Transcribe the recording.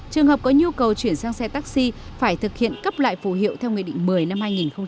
trường hợp có nhu cầu chuyển sang xe taxi phải thực hiện cấp lại phù hiệu theo nghị định một mươi năm hai nghìn một mươi